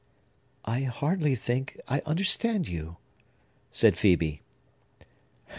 "I hardly think I understand you," said Phœbe.